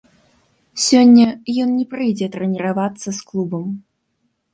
Сёння ён не прыйдзе трэніравацца з клубам.